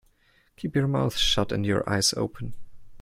Keep your mouth shut and your eyes open.